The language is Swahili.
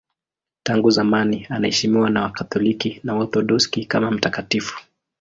Tangu zamani anaheshimiwa na Wakatoliki na Waorthodoksi kama mtakatifu.